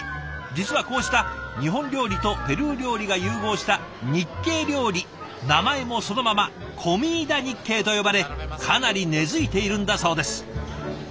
実はこうした日本料理とペルー料理が融合した日系料理名前もそのままコミーダ・ニッケイと呼ばれかなり根づいているんだそうです。